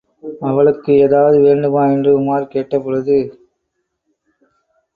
அவளுக்கு ஏதாவது வேண்டுமா என்று உமார் கேட்டபொழுது.